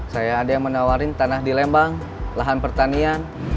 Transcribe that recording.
saya ada yang menawarkan tanah di lembang lahan pertanian